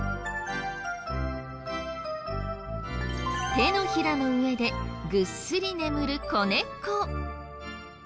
手のひらの上でグッスリ眠る子猫。